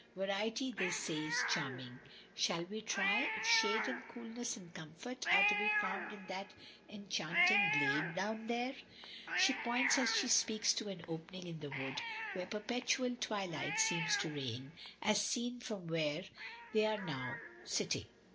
Variety they say is charming, shall we try if shade and coolness and comfort are to be found in that enchanting glade down there?" She points as she speaks to an opening in the wood where perpetual twilight seems to reign, as seen from where they now are sitting.